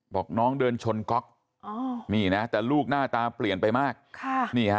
บอกน้องเดินชนก๊อกนี่นะแต่ลูกหน้าตาเปลี่ยนไปมากค่ะนี่ฮะ